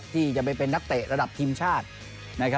ที่จะไปเป็นนักเตะระดับทีมชาติ